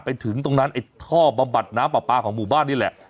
ไปถึงตรงนั้นไอ้ท่อบำบัดน้ำปลาปลาของหมู่บ้านนี่แหละ